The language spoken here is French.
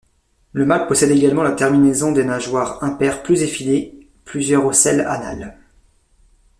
Le mâle possède également la terminaison des nageoires impaires plus effilées, plusieurs ocelles anale.